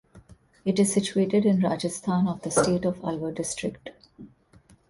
It is situated in Rajasthan of the state of Alwar District.